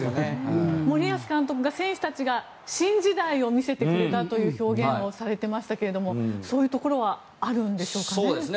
森保監督が選手たちが新時代を見せてくれたという表現をされてましたがそういうところはあるんでしょうね。